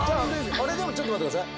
あれでもちょっと待って下さい。